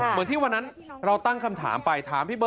เหมือนที่วันนั้นเราตั้งคำถามไป